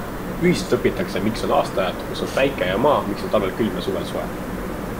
Ühiselt õpitakse, miks on aastaajad, kus on päike ja maa, miks on talvel külm ja suvel soe.